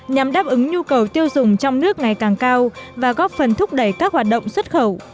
nhằm đáp ứng nhu cầu tiêu dùng trong nước ngày càng cao và góp phần thúc đẩy các hoạt động xuất khẩu